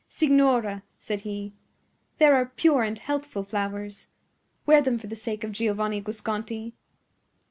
"Signora," said he, "there are pure and healthful flowers. Wear them for the sake of Giovanni Guasconti."